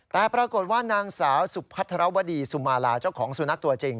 แต่ปรากฏว่านางสาวสุพัทรวดีสุมาลาเจ้าของสุนัขตัวจริง